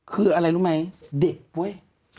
คืออะไรรู้ไหมเด็กเว้ย